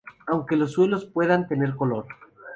Aunque los suelos puedan tener color.